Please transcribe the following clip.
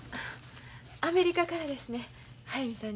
アメリカからですねん。